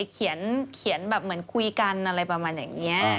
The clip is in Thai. เขียนแบบเหมือนคุยกันอะไรประมาณอย่างนี้